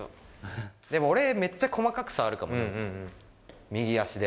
でも俺、めっちゃ細かく触るかも、右足で。